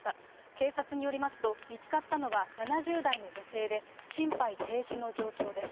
警察によりますと、見つかったのは７０代の女性で、心肺停止の状況です。